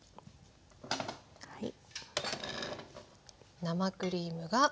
はい。